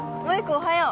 おはよう